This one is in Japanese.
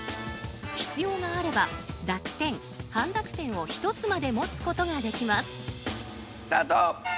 必要があれば濁点半濁点を１つまで持つことができますスタート！